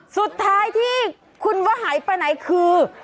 สุดท้ายที่คุณว่าหายไปไหนคือ